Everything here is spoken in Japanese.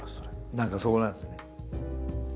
何かそこなんですね。